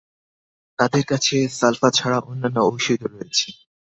তাদের কাছে সালফা ছাড়া অন্যান্য ওষুধও রয়েছে।